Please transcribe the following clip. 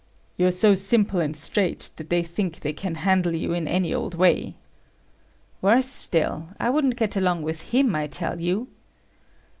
"You're so simple and straight that they think they can handle you in any old way." "Worse still. I wouldn't get along with him, I tell you."